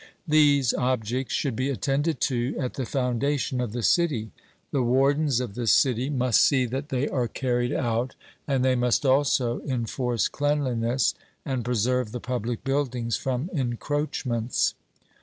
These objects should be attended to at the foundation of the city. The wardens of the city must see that they are carried out; and they must also enforce cleanliness, and preserve the public buildings from encroachments.